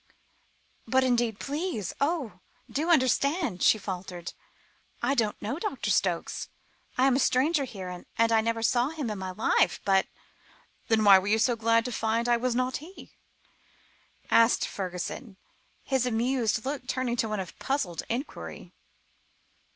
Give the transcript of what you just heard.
"But indeed please oh! do understand," she faltered; "I don't know Doctor Stokes. I am a stranger here, and I never saw him in my life, but " "Then why were you so glad to find I was not he?" asked Fergusson, his amused look turning to one of puzzled enquiry.